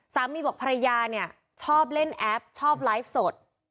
สามีบอกภรรยาเนี่ยชอบเล่นแอปชอบไลฟ์สด